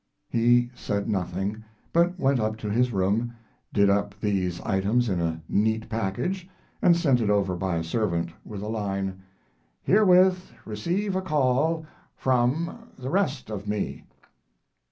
He said nothing, but went up to his room, did up these items in a neat package, and sent it over by a servant, with a line: "Herewith receive a call from the rest of me."